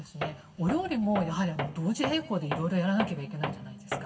お料理もやはり同時並行でいろいろやらなければいけないじゃないですか。